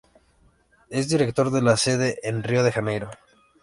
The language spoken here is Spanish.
Es director de la sede en Río de Janeiro.